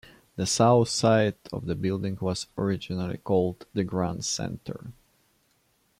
The south side of the building was originally called the Grand Center.